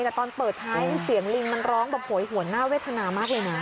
แต่ตอนเปิดท้ายเสียงลิงมันร้องแบบโหยหวนน่าเวทนามากเลยนะ